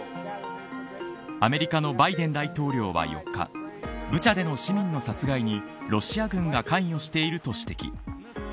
アメリカのバイデン大統領は４日ブチャでの市民の殺害にロシア軍が関与していると指摘。